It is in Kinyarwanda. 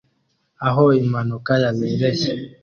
Aho impanuka yabereye